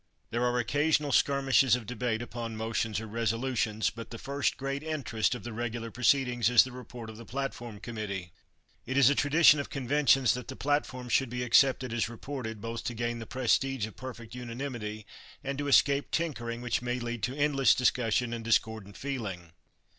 There are occasional skirmishes of debate upon motions or resolutions, but the first great interest of the regular proceedings is the report of the platform committee. It is a tradition of conventions that the platform should be accepted as reported, both to gain the prestige of perfect unanimity and to escape "tinkering," which may lead to endless discussion and discordant feeling.